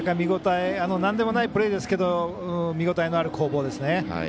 なんでもないプレーですけど見応えのある攻防ですね。